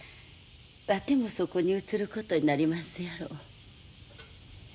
わてもそこに移ることになりますやろ。